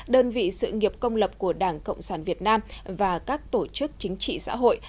đơn vị sự nghiệp công lập của đảng cộng sản việt nam và các tổ chức chính trị xã hội